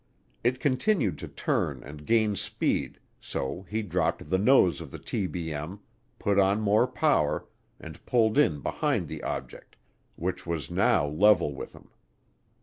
It continued to turn and gain speed, so he dropped the nose of the TBM, put on more power, and pulled in behind the object, which was now level with him.